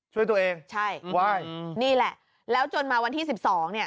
ช่วยตัวเองไหว้นี่แหละแล้วจนมาวันที่๑๒นี่